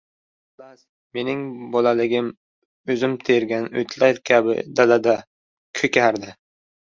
Xullas, mening bolaligim o‘zim tergan o‘tlar kabi dalada “ko‘kardi”.